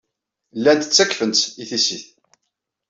Llant ttakfent-tt i tissit.